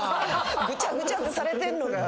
ぐちゃぐちゃってされてんのが。